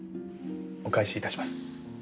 お返し致します。